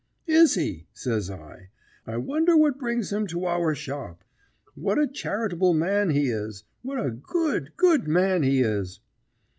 "Is he?" says I. "I wonder what brings him to our shop? What a charitable man he is! "What a good, good man he is!"